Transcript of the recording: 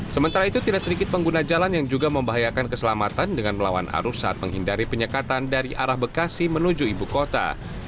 sementara itu tidak sedikit pengguna jalan yang juga membahayakan keselamatan dengan melawan arus saat menghindari penyekatan dari arah bekasi menuju ibu kota